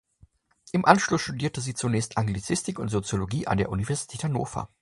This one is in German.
Im Anschluss studierte sie zunächst Anglistik und Soziologie an der Universität Hannover.